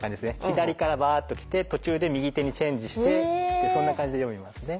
左からバーッときて途中で右手にチェンジしてそんな感じで読みますね。